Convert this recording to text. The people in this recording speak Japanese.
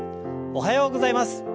おはようございます。